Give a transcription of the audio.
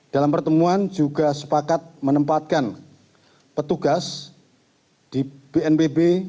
dalam pertemuan juga sepakat menempatkan petugas di bnpb